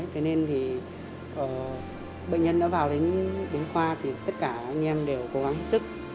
thế nên thì bệnh nhân đã vào đến khoa thì tất cả anh em đều cố gắng hết sức